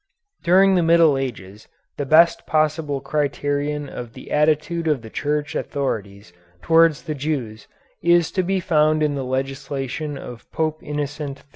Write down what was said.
During the Middle Ages the best possible criterion of the attitude of the Church authorities towards the Jews is to be found in the legislation of Pope Innocent III.